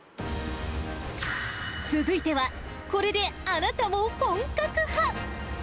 続いては、これであなたも本格派！